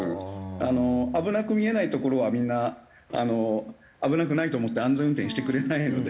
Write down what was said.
あの危なく見えない所はみんな危なくないと思って安全運転してくれないので。